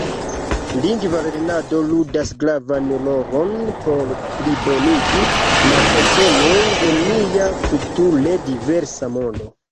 Lingva lernado ludas gravan rolon por plibonigi la komprenon de nia kulture diversa mondo.